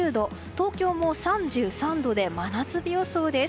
東京も３３度で真夏日予想です。